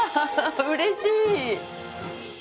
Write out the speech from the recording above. うれしい。